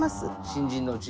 新人のうちにね。